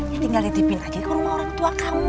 ya tinggal letipin aja di rumah orang tua kamu